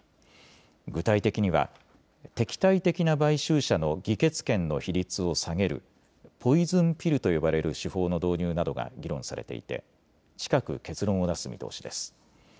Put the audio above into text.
具体的には敵対的な買収者の議決権の比率を下げるポイズンピルと呼ばれる手法の導入などが議論されていて近く結論を出す見通しです。